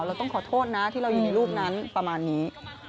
เราต้องขอโทษนะที่เราอยู่ในรูปนั้นประมาณนี้